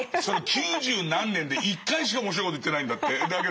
九十何年で１回しか面白いこと言ってないんだって。